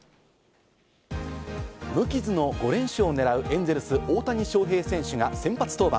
無傷の５連勝を狙うエンゼルス・大谷翔平選手が先発登板。